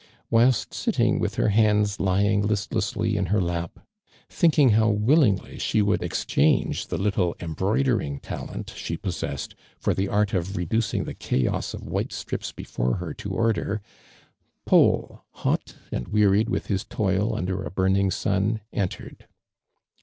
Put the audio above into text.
Whilst sit ting with lior hands lying listlessly in her lap, thinking how willingly the would exchange the little embroitlering talent she p08seB8e<l for the art of reducing the chaos of white strips before her to or<ler, Paul, hot and wearied with his toil uncler a burning sun, entered.